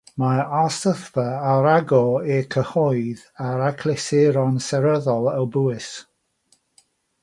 Mae'r arsyllfa ar agor i'r cyhoedd ar achlysuron seryddol o bwys.